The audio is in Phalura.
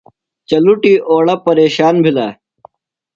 چلُٹیۡ اوڑہ پریشان بِھلہ۔